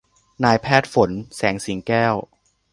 นายแพทย์ฝน แสงสิงแก้ว